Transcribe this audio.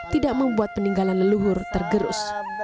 tidak membuat peninggalan leluhur tergerus